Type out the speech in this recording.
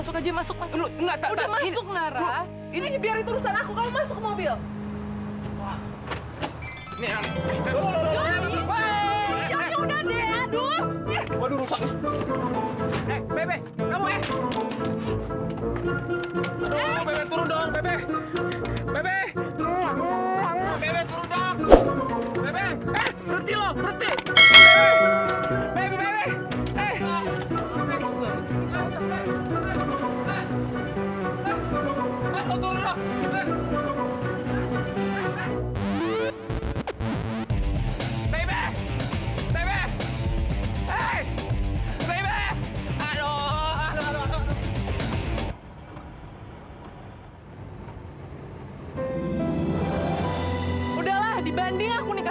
sampai jumpa di video selanjutnya